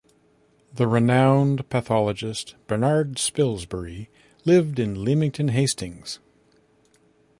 The renowned pathologist Bernard Spilsbury lived in Leamington Hastings.